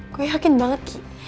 gue yakin banget ki